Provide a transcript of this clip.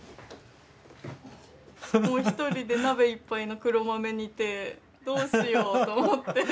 もう１人で鍋いっぱいの黒豆煮てどうしようと思って。